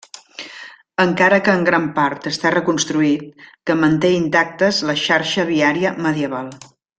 Encara que en gran part està reconstruït, que manté intactes la xarxa viària medieval.